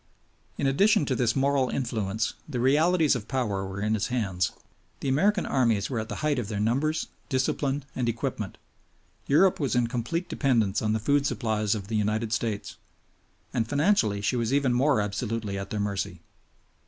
In addition to this moral influence the realities of power were in his hands. The American armies were at the height of their numbers, discipline, and equipment. Europe was in complete dependence on the food supplies of the United States; and financially she was even more absolutely at their mercy.